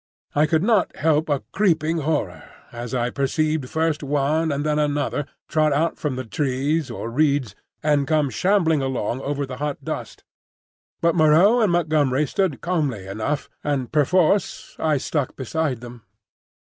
I could not help a creeping horror, as I perceived first one and then another trot out from the trees or reeds and come shambling along over the hot dust. But Moreau and Montgomery stood calmly enough; and, perforce, I stuck beside them.